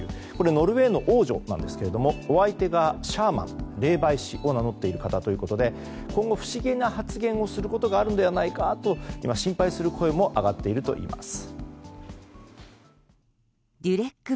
ノルウェーの王女なんですがお相手がシャーマン霊媒師を名乗っている方ということで今後、不思議な発言をすることがあるのではないかと今、心配する声も上がっているといいます。